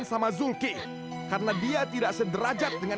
sampai jumpa di video selanjutnya